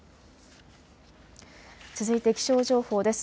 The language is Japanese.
続いて気象情報です。